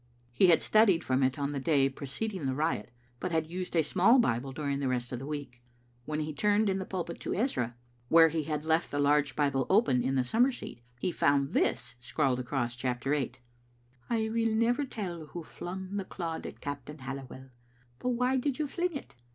He had studied from it on the day preceding the riot, but had used a small Bible during the rest of the week. When he turned in the pulpit to Ezra, where he had left the large Bible Digitized by VjOOQ IC f ft0t Sermon Hdainst ttitomett M open in tlie summer seat, he found this scrawled across chapter eight :— "I will never tell who flung the clod at Captain Halliwell. But why did you fling it?